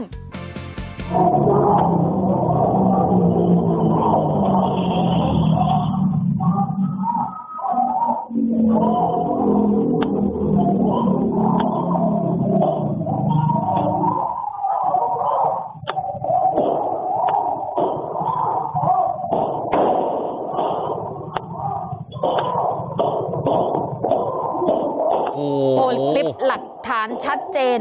โบรกย์ปริปหลักฐานชัดเจน